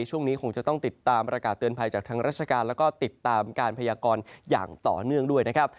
ช่วงนี้คงจะต้องติดตามประกาศเตือนภัยจากทางราชการแล้วก็ติดตามการพยากรอย่างต่อเนื่องด้วยนะครับ